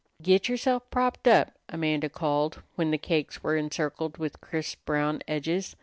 "Git yerself propped up," Amanda called when the cakes were encircled with crisp, brown edges.